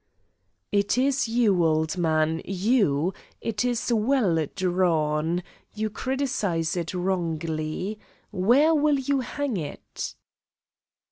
"It is you, old man, you! It is well drawn. You criticise it wrongly. Where will you hang it?"